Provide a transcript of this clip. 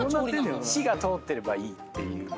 火が通ってればいいっていう。